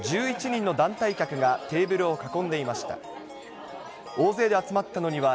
１１人の団体客がテーブルを囲んでいました。